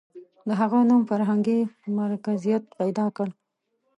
• د هغه نوم فرهنګي مرکزیت پیدا کړ.